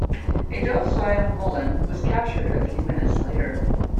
A "docile" Mullin was captured a few minutes later.